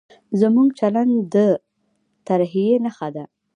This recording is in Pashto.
زموږ چلند د ترهې نښه ده.